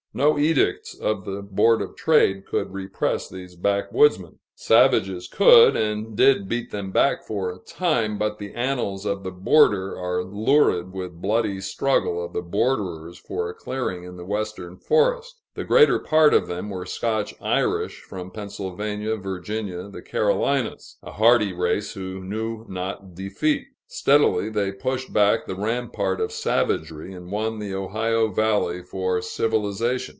No edicts of the Board of Trade could repress these backwoodsmen; savages could and did beat them back for a time, but the annals of the border are lurid with the bloody struggle of the borderers for a clearing in the Western forest. The greater part of them were Scotch Irish from Pennsylvania, Virginia, the Carolinas a hardy race, who knew not defeat. Steadily they pushed back the rampart of savagery, and won the Ohio valley for civilization.